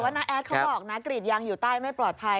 น้าแอดเขาบอกนะกรีดยางอยู่ใต้ไม่ปลอดภัย